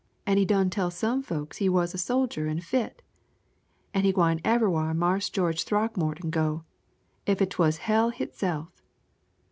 He done tell some folks he wuz a soldier an' fit, an' he gwine ev'ywhar Marse George Throckmorton go, ef it twuz hell itself.